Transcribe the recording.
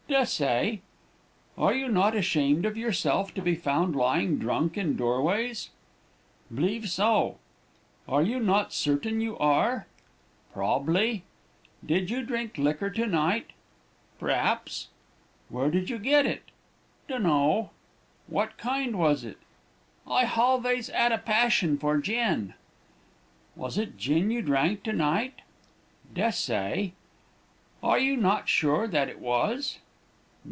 "'Des'say.' "'Are you not ashamed of yourself, to be found lying drunk in door ways?' "'B'lieve so.' "'Are you not certain you are?' "'Prob'bly.' "'Did you drink liquor to night?' "'P'r'aps.' "'Where did you get it?' "'Dun'no.' "'What kind was it?' "'I halvays 'ad a passion for gin.' "'Was it gin you drank to night?' "'Des'say.' "'Are you not sure that it was?'